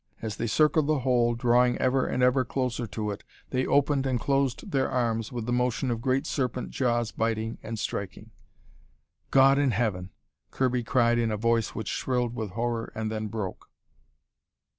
As they circled the hole, drawing ever and ever closer to it, they opened and closed their arms with the motion of great serpent jaws biting and striking. "God in Heaven!" Kirby cried in a voice which shrilled with horror and then broke.